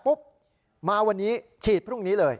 มาวันนี้ฉีดพรุ่งนี้เลย